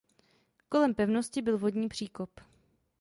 Kolem pevnosti byl vodní příkop.